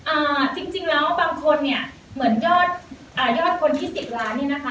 อ่าจริงจริงแล้วบางคนเนี่ยเหมือนยอดอ่ายอดคนที่ติดร้านเนี่ยนะคะ